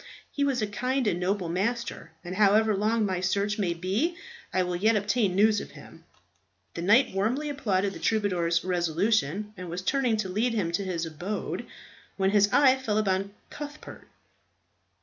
He was a kind and noble master, and however long my search may be, I will yet obtain news of him." The knight warmly applauded the troubadour's resolution, and was turning to lead him into his abode, when his eye fell upon Cuthbert.